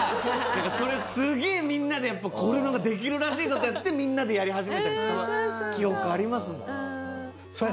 それすげえみんなで「これなんかできるらしいぞ」ってやってみんなでやり始めたりした記憶ありますもん。